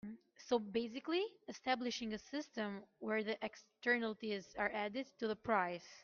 So basically establishing a system where the externalities are added to the price.